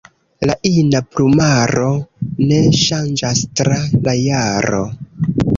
La ina plumaro ne ŝanĝas tra la jaro.